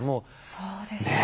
そうでした。